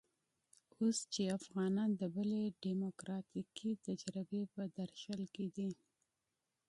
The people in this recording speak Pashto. اوس چې افغانان د بلې ډيموکراتيکې تجربې په درشل کې دي.